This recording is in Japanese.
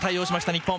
日本。